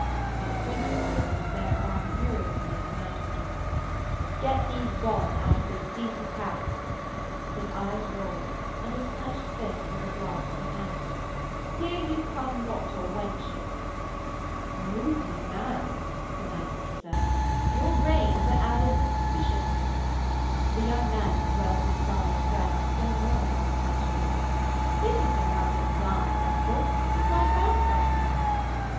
But the printer waved his bare arm furiously at the magister. 'Get thee gone out of this decent house.' His eyes rolled, and his clenched fist was as large as a ham. 'Here you come not a wenching.' 'Moody man,' the magister said, 'your brains are addled with suspicions.' The young man swelled his scarlet breast still more consequentially. 'This is no house of thine, uncle, but my grandfar's.'